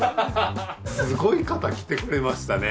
すごい方来てくれましたね。